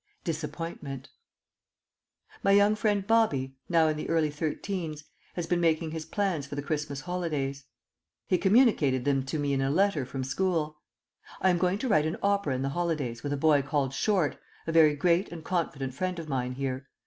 "_ DISAPPOINTMENT My young friend Bobby (now in the early thirteens) has been making his plans for the Christmas holidays. He communicated them to me in a letter from school: "I am going to write an opera in the holidays with a boy called Short, a very great and confident friend of mine here.